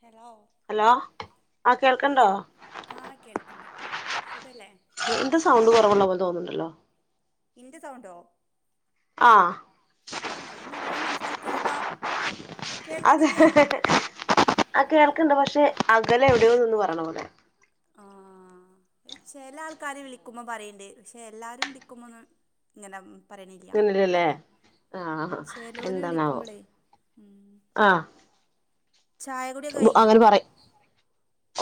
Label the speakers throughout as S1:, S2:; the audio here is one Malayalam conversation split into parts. S1: ഹലോ
S2: ഹലോ
S1: ആ ആ കേൾക്ക്ണ്ട് സുഖല്ലേ
S2: ന്താ സൗണ്ട് കുറവുള്ള പോലെ തോന്നുന്നുണ്ടല്ലോ
S1: ഇന്റെ സൗണ്ടോ
S2: ആഹ്
S1: ആ ഞാൻ നല്ലോ സംസാരി
S2: അതെ ആ കേൾക്ക്ണ്ട് പക്ഷെ അകലെ എവിടെ നിന്ന് പറയണ പോലെ
S1: ആഹ ചെല ആൾക്കാര് വിളിക്കുമ്പോ പറയ്ണ്ട് പക്ഷെ എല്ലാരും വിളിക്കുമ്പോ ഒന്ന് ഇങ്ങനെ പറയണില്ല
S2: തിന്ന്ലല്ലേ ആഹ
S1: ചിലോല്
S2: എന്താണാവോ
S1: വിളിക്കുമ്പോളേ ഉം
S2: അ
S1: ചായ കുടിയൊക്കെ
S2: ഒ
S1: കഴിഞ്ഞോ
S2: അങ്ങന പറയും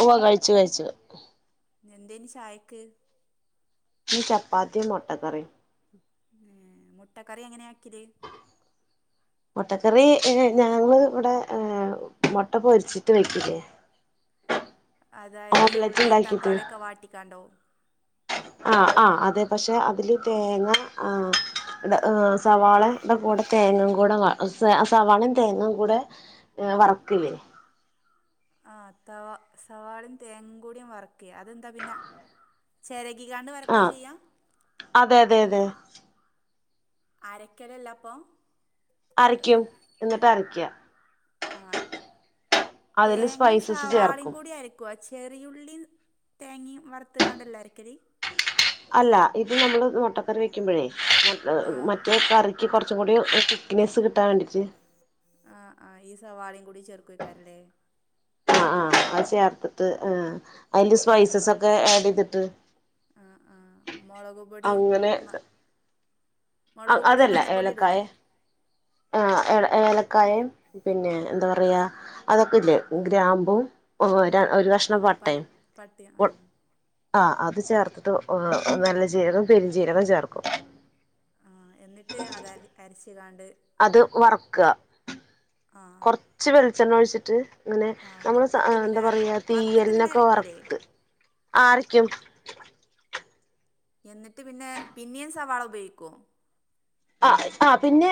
S2: ഒവ്വ കഴിച്ചു കഴിച്ചു
S1: എന്തേന് ചായക്ക്
S2: ഈ ചപ്പാത്തിം മൊട്ടക്കറിം
S1: ഏ മുട്ടക്കറി എങ്ങനെ വെക്കല്
S2: മൊട്ടക്കറി ഏ ഞങ്ങള് ഇവടെ ഏ മൊട്ട പൊരിച്ചിട്ട് വെക്കില്ലേ
S1: അതായത്
S2: ഓംലറ്റ്
S1: ഉള്ളിം തക്കാളിയൊക്കെ വാട്ടിക്കാണ്ടോ
S2: ആ ആ അതെ പക്ഷെ അതില് തേങ്ങ ആ അല്ല സവാളേം ദക്കകൂടെ തേങ്ങ കൂടെ വ സ സവാളേം തേങ്ങേം കൂടെ വർക്കല്ലേ
S1: ആ തവാ സവാളേംതേങ്ങ കൂടിം വർക്കേ അതെന്താ പിന്നെ അ ചേരകികാണ്ട് വർക്ക
S2: ആഹ്
S1: ചെയ്യാ
S2: അതെ അതെ അതെ
S1: അരക്കലല്ല പ്പൊ
S2: അരയ്ക്കും എന്നിട്ട് അരക്ക
S1: ആ
S2: അതില് സ്പൈസസ്
S1: തേങ്ങേംസവാളേയും
S2: ചേർക്കും
S1: കൂടി അര ക്കൊചെറിയുള്ളിം തേങ്ങീം വറുത്ത്ക്കാണ്ടല്ലെ അരക്കല്
S2: അല്ല ഇത് നമ്മള് മൊട്ടക്കറി വെക്കുമ്പഴേ
S1: ആഹ്
S2: മറ്റേ കറി ക്ക് കുറച്ചും കൂടി തിക്നെസ് കിട്ടാൻ വേണ്ടിട്ട്
S1: ആ ആ ഈയ് സവാളിം കൂടി ചേർക്കുക്കാരല്ലേ
S2: അ ആ അത് ചേർത്തിട്ട് ഏ അയ്ന്റെ സ്പൈസസൊക്കെ ആഡ് ചെയ്ത്ട്ട്
S1: അ ആ മൊളക് പൊടിയും മ
S2: അഹ്
S1: മുളക് പൊടിയും
S2: അതല്ല
S1: മഞ്ഞപ്പൊടിയും
S2: ഏലക്കായ
S1: ഇടൂലേ
S2: ആഹ് എ ഏലക്കായേം പിന്നെ ന്താ പറയാ അതൊക്കെല്ലേ ഗ്രാമ്പും
S1: ഉം
S2: ഒരു കഷ്ണം
S1: പട്ട് പട്ടിം ആഹ്
S2: ആഹ് അത് ചേർത്തിട്ട് ഊം നല്ല ജീരകം പെരിചീരകം ചേർക്കും
S1: ആഹ് എന്നിട്ട് അത് അര് അര്ച്ച് കാണ്ട്
S2: അത് വർക്കാ
S1: ആഹ്
S2: കൊർച്ച് വെളിച്ചെണ്ണ ഒഴിച്ചിട്ട് അങ്ങനെ
S1: ആഹ്
S2: നമ്മള്
S1: വറുത്തിട്ട് പിന്നെ
S2: എന്താ
S1: അര
S2: പറയാ
S1: വറുത്തിട്ട് പിന്നെ
S2: തീയലിനൊക്കെ
S1: അരക്കൂലേ
S2: വറത്ത് ആഹ് അരക്കും
S1: എന്നിട്ട് പിന്നെ പിന്നീ സവാള ഉപയോഗിക്കുമോ
S2: ആഹ് ആഹ് പിന്നെ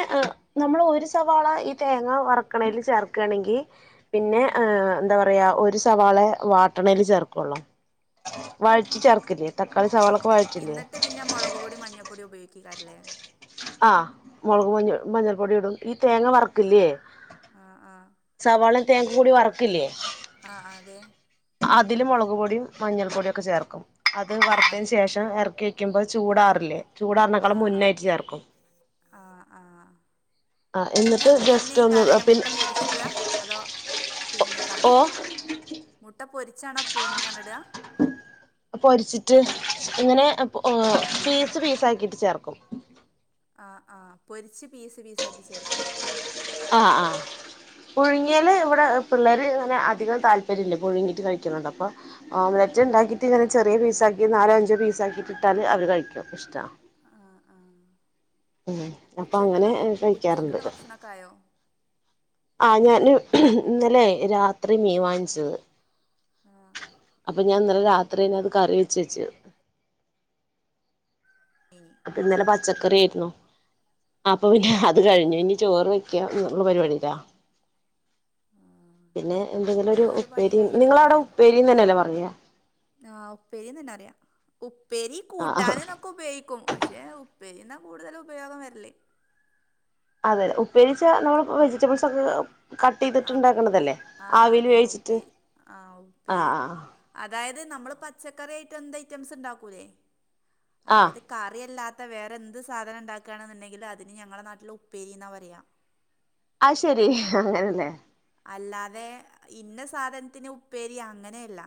S2: നമ്മൾ ഒരു സവാള ഈ തേങ്ങ വറക്കാണെൽ ചേർക്കാണങ്കി പിന്നെ
S1: ആഹ്
S2: ഏഹ് എന്താ പറയാ ഒരു സവാള വാട്ടണൽ ചേർക്കുള്ളൂ വഴറ്റി
S1: ആഹ്
S2: ചേർക്കില്ലേ തക്കാളി സവാളൊക്കെ
S1: ആഹ്
S2: വഴറ്റില്ലേ
S1: എന്നിട്ട് പിന്നെ മുളക് പൊടി മഞ്ഞൾപ്പൊടി ഉപയോഗിക്കാരല്ലേ
S2: ആഹ് മുളക് മഞ്ഞൾ മഞ്ഞൾപ്പൊടി ഇടും ഈ തേങ്ങ വർക്കില്ലേ
S1: ആഹ് ആഹ്
S2: സവാളും തേങ്ങ കൂടി വറക്കില്ലേ
S1: ആഹ് അതെ
S2: അതില് മുളക് പൊടിയും മഞ്ഞൾ പൊടിയും ഒക്കെ ചേർക്കും അത് വറുത്തതി ശേഷ് റ്റ എർക്കി വയ്ക്കുമ്പോ ചൂടാറില്ലേ ചൂടാറിനേക്കളും
S1: ആഹ് ആഹ്
S2: മുന്നായിട്ട് ചേർക്കും
S1: ആഹ് ആഹ്
S2: ആ
S1: പിന്നെ
S2: എന്നിട്ട്
S1: പിന്നെ
S2: ജസ്റ്റ് ഒന്ന്
S1: അയ്ക്കാരംല്ലേ മുട്ട
S2: പിന്നെ
S1: പൊരിച്ചിടാ അതോ
S2: ഓ
S1: പീങ്ങിക്കാണ്ടോ മുട്ട പൊരിച്ചാണോ പുഴുങ്ങിയാണോ ഇടാ
S2: പൊരിച്ചിട്ട് ഇങ്ങനെ ഒ ഓഹ് പീസ് പീസ് ആക്കിട്ട് ചേർക്കും
S1: ആഹ് ആഹ് പൊരിച്ച് പീസ് പീസ് ആക്കി ചേർക്കും
S2: ആഹ് ആഹ് പുഴുങ്ങിയാല് ഇവിടെ പിള്ളേര് ഇങ്ങനെ അധികം താല്പര്യല്ല പുഴുങ്ങിട്ട് കഴിക്കുന്നത് അപ്പൊ ഓംലറ്റ് ഉണ്ടാക്കിട്ട് ഇങ്ങനെ ചെറിയ പീസാക്കി നാലോ അഞ്ചോ പീസ് ആക്കിയിട്ട് ഇട്ടാല് അവര് കഴിക്കും ഇഷ്ടാ
S1: ആഹ് ആഹ്
S2: ഉം അപ്പൊ അങ്ങനെ
S1: ഉച്ചക്കുള്ള ഫുഡ്
S2: കഴിക്കാറുണ്ട്
S1: ഉച്ചക്കുള്ള ഭക്ഷണൊക്കെ ആയോ
S2: ആഹ് ഞാന് ഇന്നലെ രാത്രി മീ വാങ്ങിച്ചത്
S1: ആ
S2: അപ്പൊ ഞാൻ ഇന്നല രാത്രിന്നെ അത് കറി വെച്ചച്ച്
S1: മീ
S2: ഇന്നലെ പച്ചക്കറി ആയിരുന്നു അപ്പൊ പിന്നെ അത്
S1: ആ
S2: കഴിഞ്ഞു ഇനി ചോറ് വെ ക ഉം ള്ള പരിപാടിട്ടാ
S1: ആ
S2: പിന്നെ എന്തെങ്കിലും ഒരു
S1: ഇന്റത് പണിയും
S2: ഉപ്പേരി നിങ്ങളവിടെ ഉപ്പേരിന്ന് തന്നെ അല്ലേ പറയാ
S1: ആഹ് ഉപ്പേരിന്ന് തന്നെ പറിയ ഉപ്പേരി
S2: ആഹ്
S1: കൂട്ടാന് നൊ ക്കൊ ഉപയോഗിക്കും പക്ഷേ ഉപ്പേരി ന്നാ കൂടുതല് ഉപയോഗം വരല്
S2: അതെ ഉപ്പേരിച്ചാ നമ്മൾ ഇ വെജിറ്റബിൾസ് ഒക്കെ കട്ട്
S1: ആ
S2: ചെയ്തിട്ടുണ്ടാക്കണതല്ലേ
S1: ആ
S2: ആവില്
S1: അതന്നെ
S2: വേവിച്ചിട്ട്
S1: ഉപ്പേരി ആ
S2: ആഹ്
S1: ഉപ്പേരി
S2: ആഹ്
S1: അതായത് നമ്മള് പച്ചക്കറി ആയിട്ട് എന്ത് ഐറ്റംസ് ഉണ്ടാക്കൂല്ലേ
S2: ആഹ് ആഹ്
S1: അതായത് കറിയല്ലാത്ത വേറെ എന്ത് സാധനം ഉണ്ടാക്കുകയാണെന്നുണ്ടെങ്കിലും അതിന് ഞങ്ങളുടെ നാട്ടില് ഉപ്പേരിയന്നാ പറയാ
S2: അഹ്ശരി അങ്ങനെല്ലേ
S1: അല്ലാതെ ഇന്ന സാധനത്തിന് ഉപ്പേരി അങ്ങനെയല്ല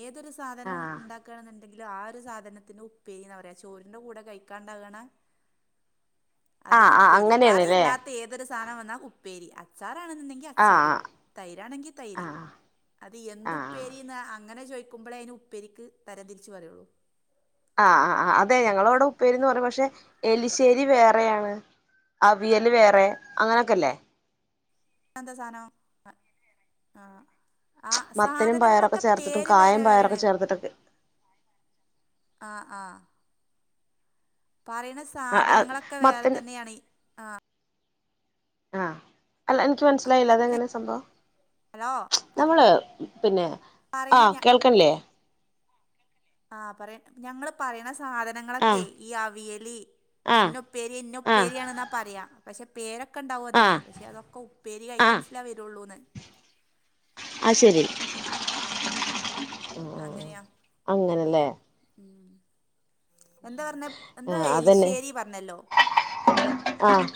S1: ഏതൊരു സാധനവും
S2: ആഹ്
S1: ഉണ്ടാക്കാണെന്ന് ന്തെങ്കിലും ആഹ് ഒരു സാധനത്തിന് ഉപ്പേരിന്നാ പറയ്യാ ചോറിന്റെ കൂടെ കഴിക്കാണ്ടാകണ അതില്
S2: ആഹ് ആഹ്
S1: ഉപ്പേരി
S2: അങ്ങനെയാണ്ല്ലേ
S1: കറില്ലാത്ത ഏതൊരു സാധനം വന്നാ ഉപ്പേരി അച്ചാറാണെന്നുണ്ടെങ്കി അ ച്ചാറ്
S2: ആഹ്
S1: തൈരാണെങ്കി തൈര്
S2: ആഹ്
S1: അത്
S2: ആഹ്
S1: എന്തുപ്പേരിന്ന ആഹ് അങ്ങനെ ചോദിക്കുമ്പളേ അതിന് ഉപ്പേരിക്ക് തരം തിരിച്ച് പറയുള്ളൂ
S2: ആഹ് ആഹ് ആഹ് അതെ ഞങ്ങളെ ഉവിടെ ഉപ്പേരിന്ന് പറയും പക്ഷെ എലിശ്ശേരി വേറെയാണ് അവിയല് വേറെ അങ്ങനൊക്കെല്ലേ
S1: അതെന്താ സാനം അ ആഹ് ആഹ്
S2: മത്തനും പയറൊക്കെ
S1: സാധനങ്ങളൊക്കെ
S2: ചേർത്തിട്ടും
S1: പേര് വേറെ
S2: കായം
S1: വേറേണ്
S2: പയറൊക്കെ ചേർത്തിട്ടൊക്കെ
S1: ആഹ് ആഹ് പറയുന്ന
S2: ആഹ്
S1: സാധനങ്ങളൊക്കെ വേറെ
S2: മത്തൻ
S1: തന്നെയാണ് ആഹ്
S2: ആഹ് അല്ല എൻക്ക് മനസ്സിലായില്ല
S1: ആ
S2: അതെങ്ങനെ സംഭവം?
S1: ഹലോ പറ
S2: നമ്മള് പിന്നെ
S1: പറയണ
S2: ആഹ്
S1: ഞ
S2: കേൾക്ക്ണില്ലേ?
S1: ആഹ് പറയ് ഞങ്ങള് പറയണ സാധന ഞങ്ങളക്കെ
S2: ആഹ്
S1: ഈ അവിയലി
S2: ആഹ്
S1: ഇന്നപ്പേരി
S2: ആഹ്
S1: ഇന്നൊപ്പേരിയാണെന്നാ പറയാ. പഷെ പേരക്കെണ്ടാവും അതിന്
S2: ആഹ്
S1: പഷെ അതൊക്കെ ഉപ്പേരി ഐറ്റംസില വരുള്ളൂന്ന്.
S2: അശെരി
S1: അങ്ങനെയാ ഉം എന്താ പറഞ്ഞെ എന്താ
S2: ആഹ് അതന്നെ
S1: എലിശ്ശേരി പറഞ്ഞല്ലോ.
S2: ആഹ്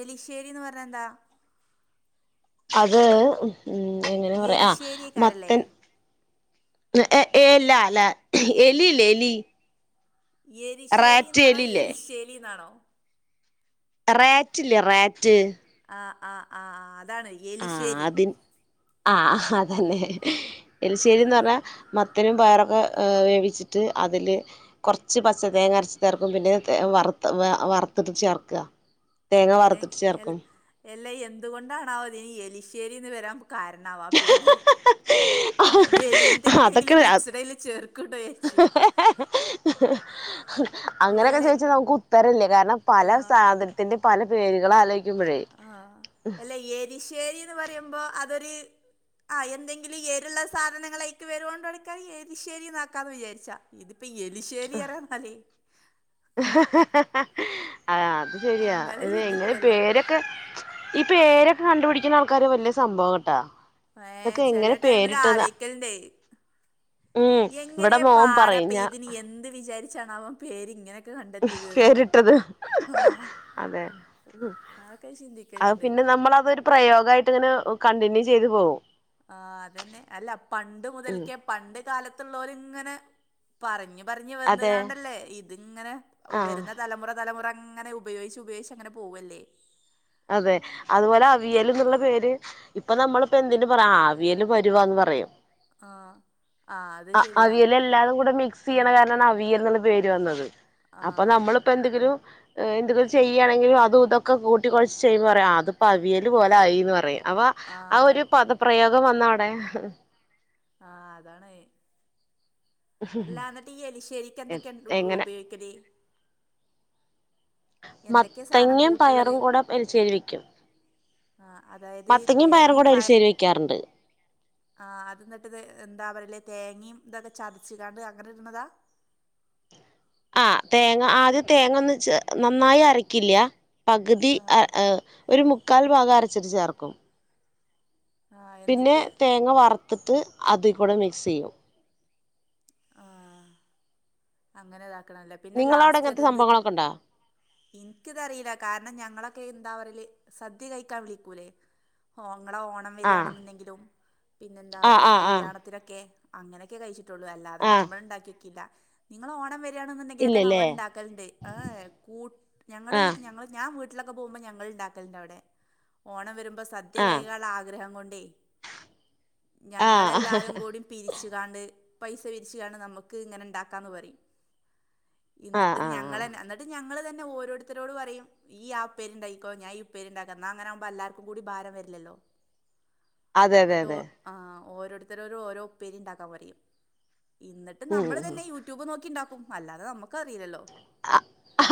S1: എലിശ്ശേരിന്ന് പറഞ്ഞന്താ?
S2: അത് എങ്ങനെയ പറയാ ആഹ്
S1: എരിശ്ശേരിക്കാരല്ലേ
S2: മത്തൻ എല്ലാല്ലെ എലി ഇല്ലേ എലി റാറ്റ്
S1: എരിശ്ശേരിന്നാണോ
S2: എലില്ലേ
S1: എലിശേലിന്നാണോ?
S2: റാറ്റില്ല റാറ്റ്
S1: ആഹ് ആഹ് ആഹ് ആഹ് അതാണെ.
S2: ആഹ് അതി ആഹ് അതന്നെ. എലിശ്ശേരിന്ന് പറഞ്ഞാൽ മത്തനും പയറക്കെ വേവിച്ചിട്ട് അതില് കൊർച്ച് പച്ച തേങ്ങ അരച്ച് ചേർക്കും പിന്നെ തേ വറത്ത വ വറത്തിട്ട് ചേർക്ക. തേങ്ങ വറത്തിട്ട് ചേർക്കും.
S1: എല്ലെ എന്തുകൊണ്ടാണാവോ അതിനി എലിശ്ശേരിന്ന് വെരാൻ കാരണ ആഹ് പേര്.
S2: അതൊക്കെ
S1: എലിന്റെന്തങ്കിലും മിക്സ്ടയില് ചേർക്ക്ണ്ടോ ചര്ച്ച്.
S2: അങ്ങനെക്കെ
S1: എലൈ
S2: ചോദിച്ചാ നമുക്ക് ഉത്തരല്ല കാരണം പല
S1: ആഹ്
S2: സാധ ത്തിന്റെ പല പേരുകളാലോയിക്കുമ്പഴേ.
S1: ആഹ് എല്ല എലിശ്ശേരിന്ന് പറയുമ്പ അതൊര് ആഹ് എന്തെങ്കിലും എരുള്ള സാധനങ്ങളേക്ക് വെരുകോണ്ടാരിക്ക ഈ എരിശേരിനാക്കാന്ന് വിചാരിച്ചാ. ഇതിപ്പ എലിശേരിയറഞ്ഞാല്.
S2: ആഹ് അത് ശെരിയാ
S1: അങ്ങനെ
S2: ഇതെങ്ങനെ
S1: ചിന്തിക്കുവല്ലോ
S2: പേര ഈ പേരക്കെ കണ്ടുപിടിക്കുന്ന ആൾക്കാര് വെല്ല്യ സംഭവം കട്ടാ.
S1: ഏഹ് ചെലെ ടൈമില് പആലയ്ക്കൽണ്ടെ.
S2: ഉം ഇവിടെ
S1: എങ്ങനെയപ്പ
S2: മോൻ പറയും
S1: ആരാപ്പ
S2: ഞാ
S1: ഇതിന് എന്ത് വിചാരിച്ചാണ് ആവോ പേര് ഇങ്ങനെ
S2: പേരിട്ടത്
S1: ആഹ്
S2: അതെ.
S1: അതൊക്കെ
S2: അത്
S1: ചിന്തിക്കലുണ്ട്
S2: പിന്നെ നമ്മളതൊരു പ്രയോഗയിട്ടിങ്ങനെ കണ്ടിന്യൂ ചെയ്ത് പോവും.
S1: ആഹ് അതെന്നെ അല്ല പണ്ട്
S2: ഉം
S1: മുതൽക്കേ പണ്ട് കാലത്തുള്ളോര് ഇങ്ങനെ പറഞ്ഞ് പറഞ്ഞ്
S2: അതെ
S1: വന്ന്ങ്ങാണ്ടല്ലേ ഇതിങ്ങനെ
S2: ആഹ്
S1: വെരുന്ന തലമുറ തലമുറങ്ങനെ ഉ പയോഗിച്ച് ഉപയോഗിച്ച് അങ്ങനെ പോവല്ലേ.
S2: അതെ അതുപോലെ അവിയല്ന്ന്ള്ള പേര് ഇപ്പ നമ്മളിപ്പ എന്തിന് പറ ആഹ് അവിയല് പരുവാന്ന് പറയും.
S1: ആഹ് ആഹ് അത്
S2: അ
S1: ശരിയാ
S2: അവിയല് എല്ലാതും കൂടെ മിക്സയ്യെണ
S1: ആഹ്
S2: കാരണാണ് അവിയൽന്നുള്ള പേര് വന്നത്. അപ്പ
S1: ആഹ്
S2: നമ്മളിപ്പ എന്തെങ്കിലും എന്തെങ്കിലും ചെയ്യാണെങ്കിലും അതുതൊക്കെ കൂ ട്ടികൊഴച്ച് ചെയ്യുമ്പറിയും ആ അതിപ്പ അവിയല് പോലായിന്ന് പറയും അപ്പ ആ
S1: ആഹ്
S2: ഒരു പദ പ്രയോഗം വന്നവടെ.
S1: ആഹ് അതാണ്. എല്ലാന്നിട്ട് ഈ എലിശ്ശേരിക്ക് ന്തക്കെയ ഉ
S2: എങ്ങനെ
S1: ഉപയോഗിക്ക ടി എന്തൊക്കെയാ സാധനം
S2: മത്തങ്ങ
S1: കൂട്ടുള്ളത്
S2: പയറും കൂടെ എലിച്ചേരി വെക്കും.
S1: ആഹ് അതായത്
S2: മത്തങ്ങും പയറും കൂട
S1: തേങ്ങയും
S2: എലിശേരി വെക്കാറുണ്ട്.
S1: ആഹ് അത് ന്നിട്ട്ത് എന്താ പറയല് തേങ്ങയും ഇതക്കെ ചതച്ച് കാണ്ട് അങ്ങനെ ഇടുന്നതാ?
S2: ആഹ് തേങ്ങ ആദ്യം തേങ്ങ ഒന്നിച്ച് നന്നായി അരക്കില്ല. പകുതി ആ ഒരു മുക്കാൽ ഭാഗം അരച്ചത് ചേർക്കും.
S1: ആ
S2: പിന്നെ
S1: എന്നിട്ട്
S2: തേങ്ങ വറത്തിട്ട് അതി കൂടെ മിക്സ് യ്യും.
S1: ആഹ് അങ്ങനെ ഇതാക്കണല്ലേ പിന്നെ
S2: നിങ്ങളവിടെ
S1: ലാസ്റ്റ്
S2: ഇങ്ങനത്തെ
S1: അതെന്ത്?
S2: സംഭവങ്ങളൊക്കെ ഉണ്ടോ
S1: ഇൻക്കിതറിയില്ല കാരണം ഞങ്ങളക്കെ എന്താ പറയല് സദ്യ കഴിക്കാൻ വിളിക്കൂലേ? ഓ നിങ്ങളെഓണം
S2: ആ
S1: വരാന്ന്ണ്ടങ്കിലും പിന്നെ എന്താ
S2: ആ
S1: വല്ല
S2: ആ ആ
S1: കല്യാണത്തിനൊക്കെ അങ്ങനെയൊക്കെ കഴിച്ചിട്ടുള്ളൂ അല്ല ത്
S2: ആ
S1: നമ്മള് ഉണ്ടാക്കിയെക്കില്ല നിങ്ങളെ ഓണം വരിയാണെന്നുണ്ടെങ്കിലൊക്കെ നമ്മൾ
S2: ഇല്ലല്ലേ
S1: ഉണ്ടാക്കലുണ്ട് ഏഹ് കൂ ഞങ്ങള്
S2: ആ
S1: ഞങ്ങൾ ഞാൻ വീട്ട ട്ടിലൊക്കെ പോകുമ്പോ ഞങ്ങൾ ഉണ്ടാക്കലുണ്ട് അവിടെ ഓണം വരുമ്പോ സദ്യ
S2: ആ
S1: കായിക്കാളളആഗ്രഹം കൊണ്ടേ
S2: ആ
S1: ഞങ്ങളെല്ലാരും
S2: ആ
S1: കൂടി പിരിച്ചുകാണ്ട് വിച്ചാണ് നമുക്ക് ഇങ്ങനെ ഉണ്ടാക്കാന്ന് പറയും ഇന്നിട്ട്
S2: ആ ആ
S1: ഞങ്ങളെന്നെ ത് ഞങ്ങൾ തന്നെ ഓരോരുത്തരോട് പറയും നീയാ ഉപ്പേരി ഉണ്ടാക്കിക്കോ ഞാനാ ഈ ഉപ്പേരി ഉണ്ടാക്കാ എന്നാ അങ്ങനെവുമ്പോ എല്ലാർക്കും കൂടി ഭാരം വരില്ലല്ലോ
S2: അതെ അതെ
S1: ന്നിട്ട്
S2: അതെ
S1: ആഹ ഓരോരുത്തരോട് ഓരോപ്പേരി ഉണ്ടാക്കാൻ പറയ്യും ന്നിട്ട് നമ്മള്
S2: ഉം
S1: തന്നെ യൂട്യൂബ് നോക്കിണ്ടാക്കും അല്ലാതെ നമുക്ക് അറിയില്ലല്ലോ
S2: ആഹ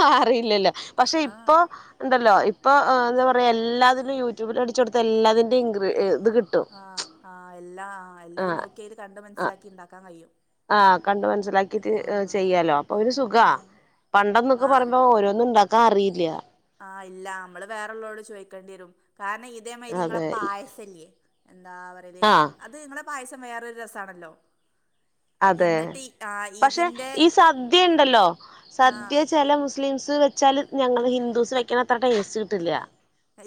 S2: ആഹ് അറിയില്ലലോ പക്ഷെ
S1: ആ
S2: ഇപ്പൊ ണ്ടല്ലോ ഇപ്പൊ എന്താ പറയുക എല്ലാത്തിനും യൂട്യൂബിൽ അടിച്ച കൊടുത്ത എല്ലാത്തിന്റെയും. ഇൻഗ്രി ത് കിട്ടും
S1: ആഹ ആഹ എല്ലാ ആഹ
S2: ആ
S1: എല്ലതും നോക്കിയതിൽ കണ്ട് മനസ്സിലാക്കി ണ്ടാക്കാൻ കഴിയും
S2: ആഹ കണ്ട് മനസ്സിലാക്കിട്ട്
S1: ആ
S2: ചെയ്യാലോ അപ്പൊഒര് സുഖാ
S1: ആ
S2: പണ്ടെന്നൊക്കെ
S1: ആ
S2: പറയുമ്പോ ഓരോന്നും ണ്ടാക്കാൻ അറിയില്ല
S1: ആഹ് ഇല്ല നമ്മള് വേറെ ഉള്ളോരോട്ചോയക്കേണ്ടി വരും കാരണം ഇതേമാതിരി ഇങ്ങളെ
S2: അതെ
S1: പായസല്ലയേ എന്താ പറയാ
S2: ആ
S1: അത് നിങ്ങളെ പായസം വേറൊരു രസാണല്ലോ
S2: അതെ പക്ഷെ ഈ സദ്യ ണ്ടല്ലോ
S1: ആ
S2: സദ്യ ചില മുസ് സ്ലിംസ് വെച്ചാ ല്ഞങ്ങൾ ഹിന്ദൂസ് വെക്കാണത്ര ടേസ്റ്റ് കിട്ടില്ല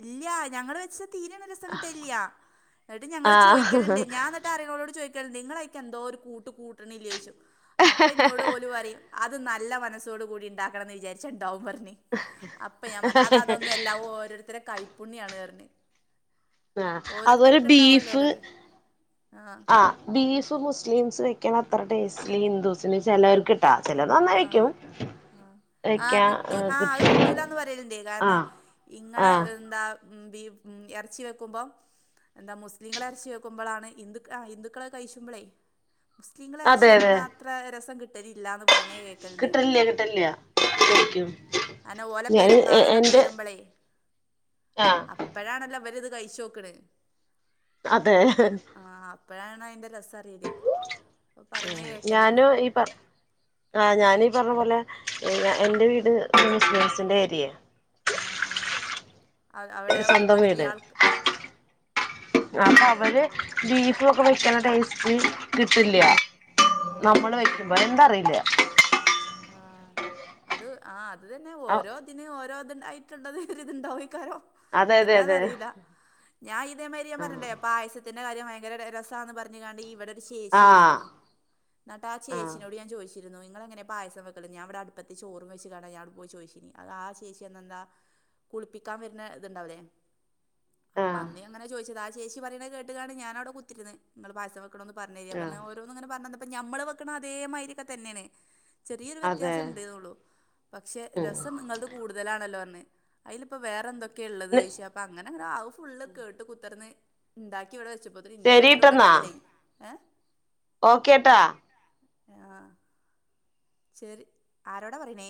S1: ഇല്ല ഞങ്ങള് വെച്ച തീരെ രസം കിട്ടില്യ എന്നിട്ട്
S2: ആ
S1: ഞങ്ങള് ചോദിക്കലുണ്ട് ഞാൻ ന്നിട്ട് അറിയോ ഓളോട് ചോദിക്കലുണ്ട് നിങ്ങളായിക്ക് എന്തോ ഒരു കൂട്ട് കൂട്ടണ് ഇല്ലേച്ചു അപ്പൊ എന്നോട് ഒര് പറയും അത് നല്ല മനസ്സോടു കൂടി ണ്ടാക്കണം എന്ന് വിചാരിച്ചാ ണ്ടാവും പറഞ്ഞ് അപ്പ ഞാൻ പറഞ്ഞ് അത് അതൊന്നും അല്ല അത് ഓരോരുത്തരെടെ കൈപ്പുണ്യാണ് റഞ്ഞ്
S2: ആഹ അതുപോലെ ബീഫ്
S1: ആ
S2: ആഹ ബീഫ് മുസ്ലിംസ് വെക്കാണത്ര ടേസ്റ്റ് ഇല്ല ഹിന്ദുസ് പിന്നെ ചിലർക്ക് ട്ടാ ചിലത് നന്നായിരിക്കും.
S1: ആഹ ആഹ് കിട്ടൂ ആഹ് അത് കിട്ടൂലന്ന് പറയലണ്ട് കാരണം
S2: ആഹ്
S1: ഇങ്ങളെ
S2: ആഹ്
S1: എന്താ ഉം ഉ ബീഫ് ഇറച്ചി വെക്കുമ്പോം എന്താ മുസ്ലിങ്ങളെ ഇറച്ച് െകുമ്പോളാണ് ഹിന്ദു ആഹ ഹിന്ദുക്കളെ കഴിച്ചുമ്പോളേ മുസ്ലിംങ്ങളെ
S2: അതെ
S1: ഇറച്ച്ച
S2: അതെ
S1: വെക്കാണത്ര രസം കിട്ടലില്യ എന്ന് പറയണേ കേക്കല്ണ്ട് ഞാൻ
S2: കിട്ടൽല്ല്യാ കിട്ടൽല്ല്യാ ശെരിക്കും
S1: അതെന്നേ ഓലെ പെര്ന്നാള് തൊക്കെ വെരുമ്പളേ
S2: ആഹ്
S1: അപ്പഴാണല്ലോ ഇവെര്ത് കഴിച്ചോക്ക്ണ്
S2: അതേ
S1: ആഹ് അപ്പഴാണ് അയ്ന്റെ രസറ്യേല് പ്പം പറയ്ണെ കേക്കെല്ണ്ട്
S2: ഞാനും ഈ പറ ആഹ് ഞാനീ പർഞ്ഞ പോലെ ഞാ എന്റെ വീട് മുസ്‌ലീംസ്ന്റെ ഏരിയെ
S1: ആഹ് ആഹ് അവടെ
S2: ഏത് സ്വന്തം
S1: ഒരുപാട്
S2: വീട്
S1: ഇല്ല്യ ആൾക്ക്
S2: അപ്പ അവര് ബീഫാെക്കെ വെക്ക്ണ ടേയ്സ്റ്റ് കിട്ടില്ല്യാ നമ്മള്
S1: ആഹ്
S2: വെയ്ക്കുമ്പം എന്താ അറിയില്ല്യാ
S1: ആഹ് അത് ആഹ് അത് തന്നെ ഒരോ തിന് ഓരോ ത്ണ്ടായി ട്ട്ള്ളെത് ഒര്ത്ണ്ടാവെയ്ക്കാരം
S2: അതെ അതെ അതെ
S1: എന്താന്നറീല്ലാ ഞാൻ ഇതേമായ്രി ഞാൻ പർഞ്ഞില്ലേ
S2: ആ
S1: പായസത്തിന്റെ കാര്യം ഭയങ്കര ടെ രസാന്ന് പർഞ്ഞ്കാണ്ട് ഈവെടെ ര് ചേച്ചി
S2: ആഹ്
S1: വന്നിര്ന്നു ന്നെട്ടാ
S2: ആഹ്
S1: ചേച്ചിനോട് ഞാൻ ചോയ്ച്ചിര്ന്നു നിങ്ങെളെങ്ങെനെ പായസം വെക്കല് ഞാം വെടെ അട്പ്പത്ത് ചോറും വെച്ച്കാണ്ടാ ഞാൻ അത് പോയ് ചോയ്ച്ചീനി അത് ആ ചേച്ചി അന്നെന്താ കുളിപ്പിക്കാം വര്ണെ ത്ണ്ടാവുലെ അപ്പ
S2: ആഹ്
S1: അന്ന് ഞാൻ ഇങ്ങെനെ ചോയ്ച്ചതാ ആ ചേച്ചി പറയ്ണെ കേട്ട്കാണ്ട് ഞാനവ്ടെ കുത്തിര്ന്ന് ഇങ്ങെള് പായസം വെ ക്ക്ണാെന്ന് പർഞ്ഞെരി
S2: ആഹ്
S1: അപ്പർഞ്ഞ് ഓരോന്ന്ങ്ങെനെ പർഞ്ഞന്നപ്പം ഞമ്മെള് വെക്ക്ണെ അതേ മായ്ര്യൊക്കെ തന്നേണ് ചെറീയൊര്
S2: അതെ
S1: വെത്യാസം ണ്ട്ന്നാെള്ളൂ പക്ഷെ
S2: ഉം
S1: രസം ഇങ്ങെൾത് കൂടുതലാണല്ലോർഞ്ഞ് അയ്ല്‌പ്പോ വേറെന്തൊ ക്കേള്ളെത് ചോയ്ച്ച് അപ്പ അങ്ങനെങ്ങെനാ അത് ഫുള്ള് കേട്ട് കുത്തർന്ന് ഇണ്ടാ ബാക്കി ഇവടെ വെച്ചപ്പോത്തിനും ഇന്റെ ചോറ് ഇവടെ കരിയലയിഞ്ഞ് ഏഹ്
S2: ഓക്കേ ട്ടാ
S1: ആഹ് ശെരി, ആരോടാ പറിണേ?